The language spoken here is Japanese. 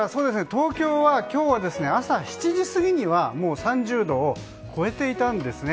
東京は今日は朝７時過ぎにはもう３０度を超えていたんですね。